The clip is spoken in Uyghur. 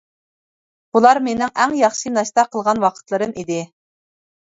بۇلار مېنىڭ ئەڭ ياخشى ناشتا قىلغان ۋاقىتلىرىم ئىدى.